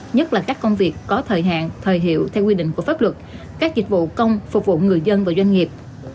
nhất là các công việc có thời hạn thời hiệu theo quy định của pháp luật các dịch vụ công phục vụ người dân và doanh nghiệp